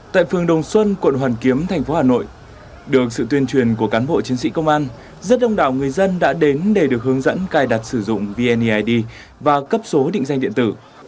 tại phường đồng xuân quận hoàn kiếm thành phố hà nội được sự tuyên truyền của cán bộ chiến sĩ công an rất đông đảo người dân đã đến để được hướng dẫn cài đặt sử dụng vneid và cấp số định danh điện tử